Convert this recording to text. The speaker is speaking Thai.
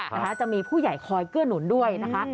นะคะจะมีผู้ใหญ่คอยเกื้อหนุนด้วยนะคะ